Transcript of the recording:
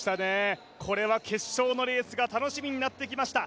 これは決勝のレースが楽しみになってきました。